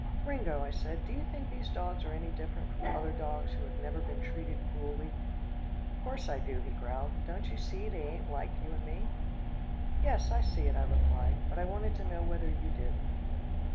"Gringo," I said, "do you think these dogs are any different from other dogs who have never been treated cruelly?" "'Course I do," he growled. "Don't you see they ain't like you and me?" "Yes, I see it," I replied, "but I wanted to know whether you did."